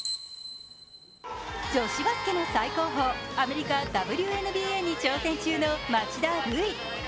女子バスケの最高峰アメリカＷＮＢＡに挑戦中の町田瑠唯。